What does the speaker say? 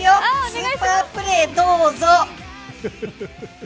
スーパープレーどうぞ。